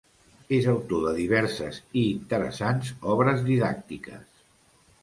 És autor de diverses i interessants obres didàctiques.